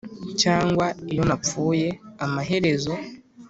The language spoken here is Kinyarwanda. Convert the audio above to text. cyangwa iyo napfuye amaherezo,